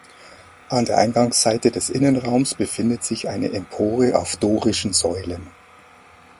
An der Eingangsseite des Innenraums befindet sich eine Empore auf dorischen Säulen.